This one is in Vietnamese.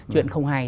chuyện không hay